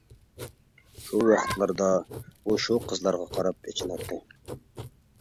شۇ ۋاقىتلاردا ئۇ شۇ قىزلارغا قاراپ ئېچىناتتى.